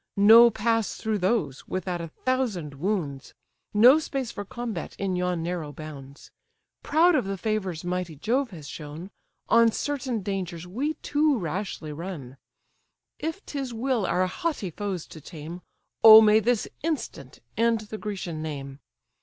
No pass through those, without a thousand wounds, No space for combat in yon narrow bounds. Proud of the favours mighty Jove has shown, On certain dangers we too rashly run: If 'tis his will our haughty foes to tame, Oh may this instant end the Grecian name!